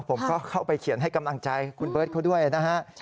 ผมก็เข้าไปเขียนให้กำลังใจคุณเบิร์ตเขาด้วยนะฮะ